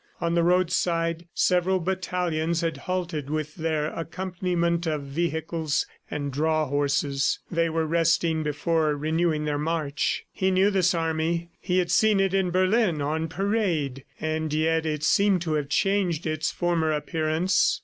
On the roadside several battalions had halted, with their accompaniment of vehicles and draw horses. They were resting before renewing their march. He knew this army. He had seen it in Berlin on parade, and yet it seemed to have changed its former appearance.